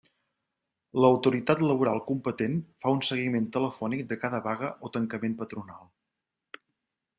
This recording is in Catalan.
L'autoritat laboral competent fa un seguiment telefònic de cada vaga o tancament patronal.